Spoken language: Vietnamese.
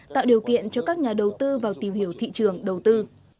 tạo điều kiện cho các nhà đầu tư vào tìm hiểu thị trường đầu tư